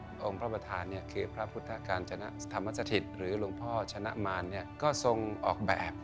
องค์พระประธานคือพระพุทธกาญจนธรรมสถิตหรือหลวงพ่อชนะมารก็ทรงออกแบบ